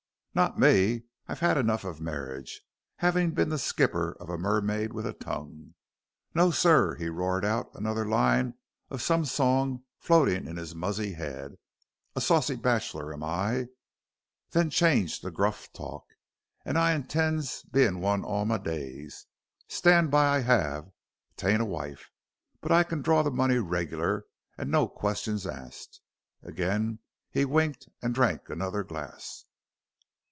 "Not me. I've had enough of marriage, having been the skipper of a mermaid with a tongue. No, sir," he roared out another line of some song floating in his muzzy head, "a saucy bachelor am I," then changed to gruff talk, "and I intends being one all my days. Stand by, I have t'ain't a wife, but I can draw the money regular, and no questions asked." Again he winked and drank another glass.